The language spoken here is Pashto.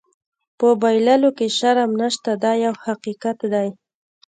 په بایللو کې شرم نشته دا یو حقیقت دی.